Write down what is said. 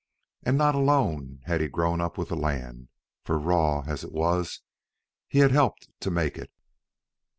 And not alone had he grown up with the land, for, raw as it was, he had helped to make it.